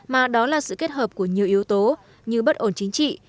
mà đó là sự kết hợp của nhiều yếu tố như bất ổn chính trị